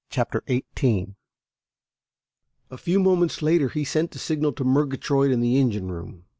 CHAPTER XVIII A few moments later he sent a signal to Murgatroyd in the engine room.